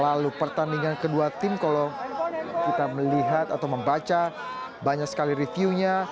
lalu pertandingan kedua tim kalau kita melihat atau membaca banyak sekali reviewnya